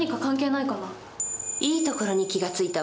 いいところに気が付いたわね。